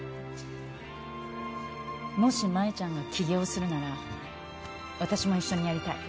「もし舞ちゃんが起業するなら私も一緒にやりたい」